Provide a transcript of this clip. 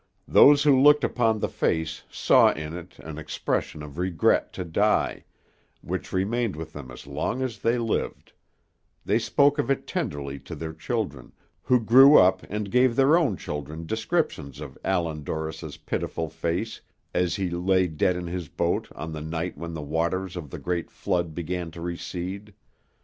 Those who looked upon the face saw in it an expression of regret to die, which remained with them as long as they lived; they spoke of it tenderly to their children, who grew up and gave their own children descriptions of Allan Dorris's pitiful face as he lay dead in his boat on the night when the waters of the great flood began to recede.